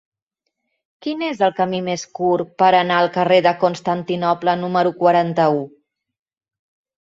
Quin és el camí més curt per anar al carrer de Constantinoble número quaranta-u?